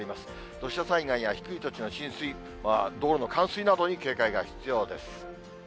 土砂災害や低い土地の浸水、道路の冠水などに警戒が必要です。